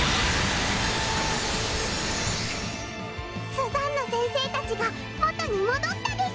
スザンヌ先生たちが元に戻ったです！